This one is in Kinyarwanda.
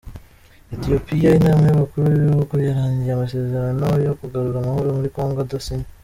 etiyopiya Inama y’abakuru b’ibihugu yarangiye amasezerano yo kugarura amahoro muri kongo adasinywe